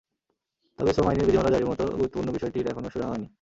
তবে শ্রম আইনের বিধিমালা জারির মতো গুরুত্বপূর্ণ বিষয়টির এখনো সুরাহা হয়নি।